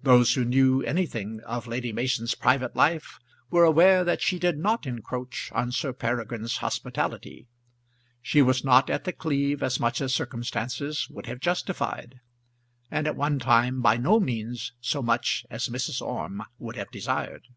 Those who knew anything of Lady Mason's private life were aware that she did not encroach on Sir Peregrine's hospitality. She was not at The Cleeve as much as circumstances would have justified, and at one time by no means so much as Mrs. Orme would have desired.